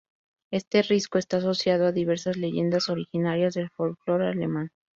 Este risco está asociado a diversas leyendas originarias del folclore alemán.